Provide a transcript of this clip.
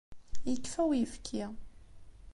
Yekfa uyefki.